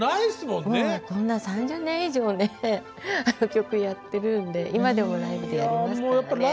もうこんな３０年以上ねあの曲やってるんで今でもライブでやりますからね。